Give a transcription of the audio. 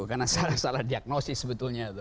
karena salah salah diagnosis sebetulnya